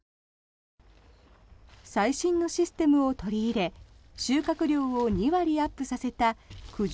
最新のシステムを取り入れ収穫量を２割アップさせた九条